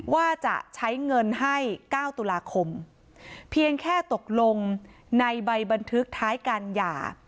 ว่าจะใช้เงินให้๙ตุลาคมเพียงแค่ตกลงในใบบันทึกท้ายการหย่า